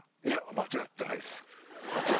間違ってないです。